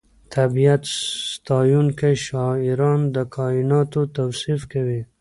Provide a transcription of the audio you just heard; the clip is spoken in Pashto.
طبیعت ستایونکي شاعران د کائناتو توصیف کوي.